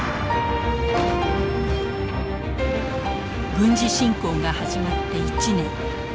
軍事侵攻が始まって１年。